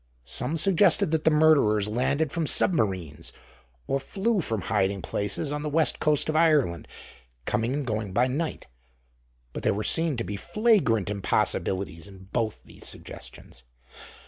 Some suggested that the murderers landed from submarines, or flew from hiding places on the West Coast of Ireland, coming and going by night; but there were seen to be flagrant impossibilities in both these suggestions.